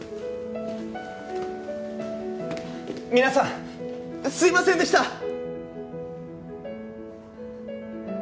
皆さんすいませんでした！